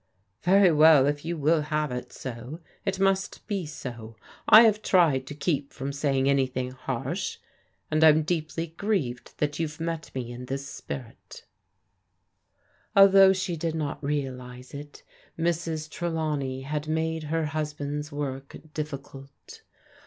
"Very well, if you will have it so, it must be so. I have tried to keep from saying anything harsh, and I'm deeply grieved that you've met me in this spirit" Although she did not realize it, Mrs. Trelawney had made her husband's work difficult.